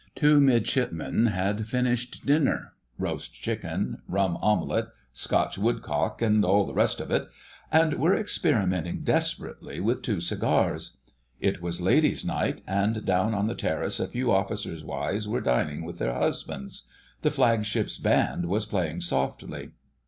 Two midshipmen had finished dinner (roast chicken, rum omelette, "Scotch woodcock," and all the rest of it), and were experimenting desperately with two cigars. It was Ladies' Night, and down on the terrace a few officers' wives were dining with their husbands; the Flagship's band was playing softly.